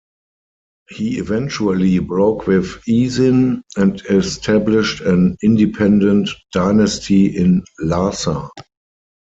He eventually broke with Isin and established an independent dynasty in Larsa.